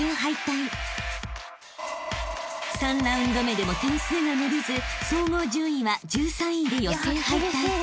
［３ラウンド目でも点数が伸びず総合順位は１３位で］